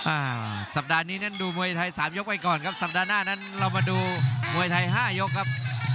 อ่าสัปดาห์นี้นั้นดูมวยไทยสามยกไว้ก่อนครับสัปดาห์หน้านั้นเรามาดูมวยไทยห้ายกครับ